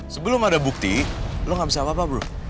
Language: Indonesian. sebelum ada bukti lo gak bisa apa apa belum